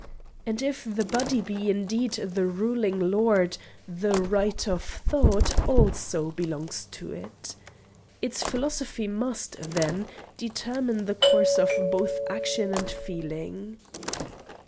And if the body be indeed the ruling lord, the right of thought also belongs to it. Its philosophy must, then, determine the course of both action and feeling.